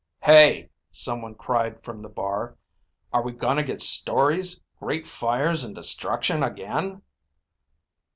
"Hey," someone cried from the bar. "Are we gonna get stories, great fires and destruction again?"